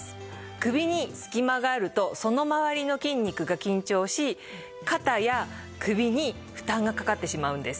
首に隙間があるとその周りの筋肉が緊張し肩や首に負担がかかってしまうんです。